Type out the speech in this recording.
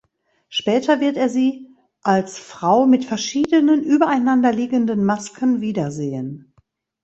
Später wird er sie als Frau mit verschiedenen übereinander liegenden Masken wieder sehen.